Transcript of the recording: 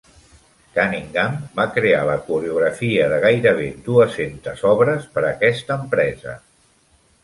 Cunningham va crear la coreografia de gairebé dues-centes obres per aquesta empresa.